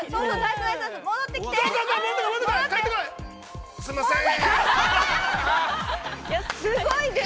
◆すごい。